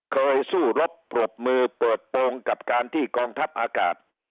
เคยสู้รบปรบมือเปิดโปรงกับการที่กองทัพอากาศ